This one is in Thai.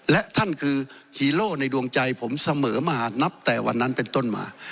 และท่านคือฮีโร่ในดวงใจผมเสมอมานับแต่วันนั้นเป็นต้นมา